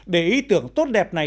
để ý tưởng tốt đẹp này